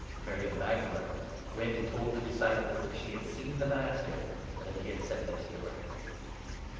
Mary of Magdala went and told the disciples that she had 18 seen the Master, and that he had said this to her.